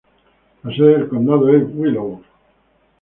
La sede del condado es Willows.